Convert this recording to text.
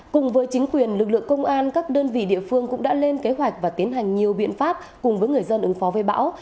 cùng với chính quyền lực lượng công an các đơn vị địa phương cũng đã lên kế hoạch và tiến hành nhiều biện pháp cùng với người dân ứng phó với bão